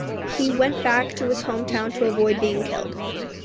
He went back to his hometown to avoid being killed.